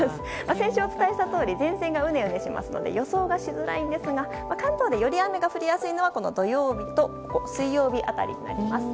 先週伝えたとおり前線がうねうねするので予想がしづらいんですが関東で雨が降りやすいのは水曜と土曜日辺りかと思います。